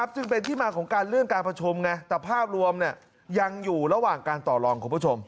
ซึ่งเป็นที่มาของการเลื่อนการผจมแต่ภาพรวมยังอยู่ระหว่างการต่อรอง